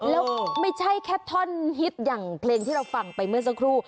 แล้วไม่ใช่แค่ท่อนฮิตอย่างเพลงที่เราฟังไปเมื่อสักครู่